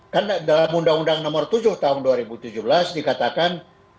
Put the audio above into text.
karena dalam undang undang nomor tujuh tahun dua ribu tujuh belas dikatakan